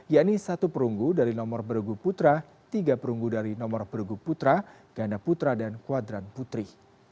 yakni satu perunggu dari nomor beregu putra tiga perunggu dari nomor perunggu putra ganda putra dan kuadran putri